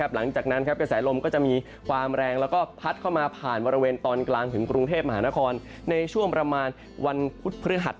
หลังจากนั้นกระแสลมก็จะมีความแรงแล้วก็พัดเข้ามาผ่านบริเวณตอนกลางถึงกรุงเทพมหานครในช่วงประมาณวันพุธพฤหัส